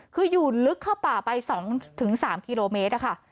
คืออยู่ลึกเข้าป่าไป๒๓กิโลเมตรอะค่ะ